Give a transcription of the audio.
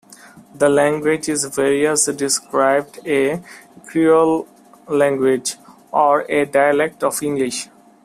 The language is variously described a creole language, or a dialect of English.